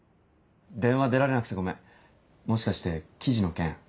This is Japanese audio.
電話出られなくてごめんもしかして記事の件？